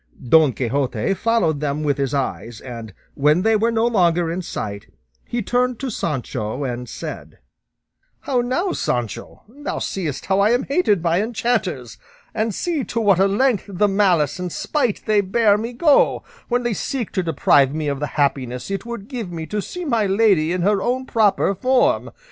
Don Quixote followed them with his eyes, and when they were no longer in sight, he turned to Sancho and said, "How now, Sancho? thou seest how I am hated by enchanters! And see to what a length the malice and spite they bear me go, when they seek to deprive me of the happiness it would give me to see my lady in her own proper form.